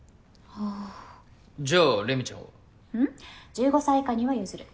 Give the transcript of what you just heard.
１５歳以下には譲る。